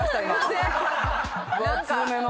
分厚めの。